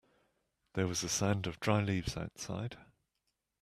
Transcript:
There was a sound of dry leaves outside.